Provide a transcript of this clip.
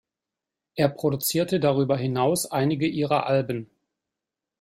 Er produzierte darüber hinaus einige ihrer Alben.